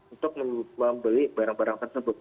untuk membeli barang barang tersebut